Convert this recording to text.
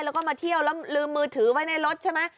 แล้วก็มาเที่ยวแล้วลืมมือถือไว้ในรถใช่ไหม